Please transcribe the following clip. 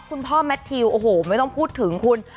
แมททิวโอ้โหไม่ต้องพูดถึงคุณ